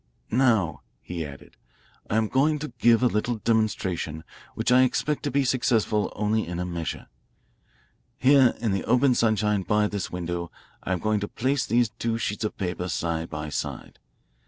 "Now," he added, "I am going to give a little demonstration which I expect to be successful only in a measure. Here in the open sunshine by this window I am going to place these two sheets of paper side by side.